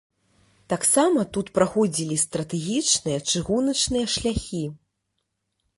Таксама тут праходзілі стратэгічныя чыгуначныя шляхі.